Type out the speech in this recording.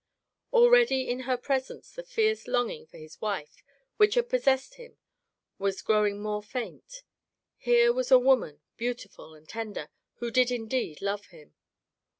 Already, in her pres ence, the fierce longing for his wife which had possessed him was growing more faint. Here was a woman, beautiful and tender, who did indeed love him.